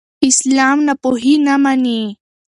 اسلام ناپوهي نه مني.